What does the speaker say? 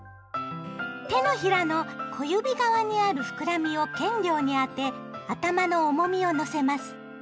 手のひらの小指側にある膨らみをけんりょうにあて頭の重みをのせます。